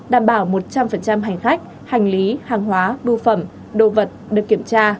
đảm bảo một trăm linh hành khách hành lý hàng hóa bưu phẩm đồ vật được kiểm tra